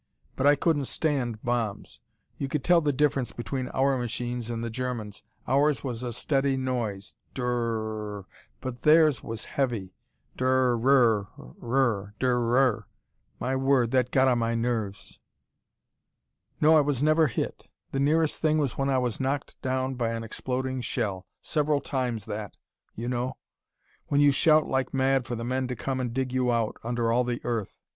But I couldn't stand bombs. You could tell the difference between our machines and the Germans. Ours was a steady noise drrrrrrrr! but their's was heavy, drrrrRURUrrrrRURU! My word, that got on my nerves.... "No I was never hit. The nearest thing was when I was knocked down by an exploding shell several times that you know. When you shout like mad for the men to come and dig you out, under all the earth.